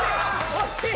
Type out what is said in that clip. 惜しい！